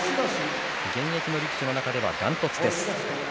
現役の力士の中では断トツです。